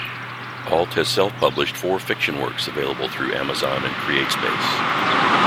Ault has self-published four fiction works available through Amazon and CreateSpace.